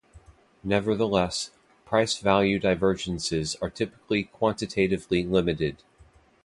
Nevertheless, price-value divergences are typically quantitatively limited.